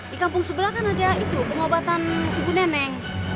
di kampung sebelah kan ada itu pengobatan ibu neneng